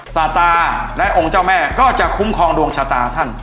สาตาและองค์เจ้าแม่ก็จะคุ้มครองดวงชะตาท่าน